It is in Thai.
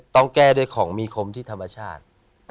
ต้องแก้ด้วยของมีคมที่ธรรมชาติ